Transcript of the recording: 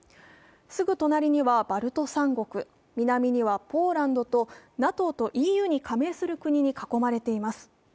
すぐ隣にはバルト三国、南にはポーランドとＮＡＴＯとＥＵに加盟する国に囲まれています。